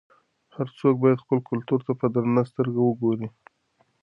هر څوک باید خپل کلتور ته په درنه سترګه وګوري.